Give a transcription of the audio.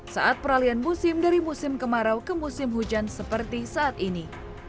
saat peralian musim dari musim kemarau ke musim hujan seperti saat ini